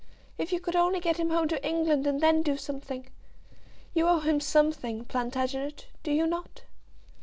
If you could only get him home to England, and then do something. You owe him something, Plantagenet; do you not?"